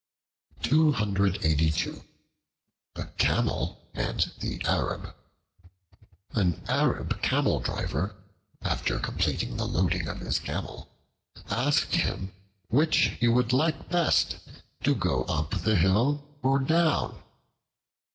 The Camel and the Arab AN ARAB CAMEL DRIVER, after completing the loading of his Camel, asked him which he would like best, to go up hill or down.